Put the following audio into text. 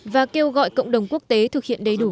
và kêu gọi cộng đồng quốc tế thực hiện đầy đủ